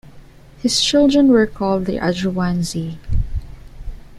His children were called the Adroanzi.